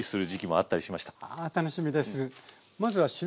あ楽しみです。